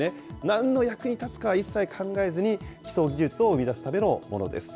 なんの役に立つかは一切考えずに、基礎技術を生み出すためのものです。